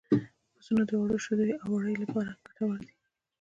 پسونه د وړو شیدو او وړیو لپاره ګټور دي.